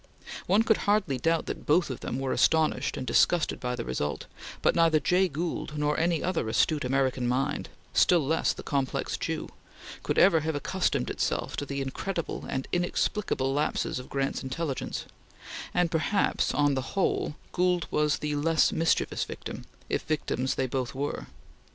One could hardly doubt that both of them were astonished and disgusted by the result; but neither Jay Gould nor any other astute American mind still less the complex Jew could ever have accustomed itself to the incredible and inexplicable lapses of Grant's intelligence; and perhaps, on the whole, Gould was the less mischievous victim, if victims they both were.